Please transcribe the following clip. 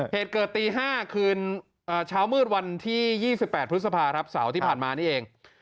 เหตุเกิดตี๕คืนเช้ามืดวันที่๒๘พฤษภาครับเสาร์ที่ผ่านมานี่เอง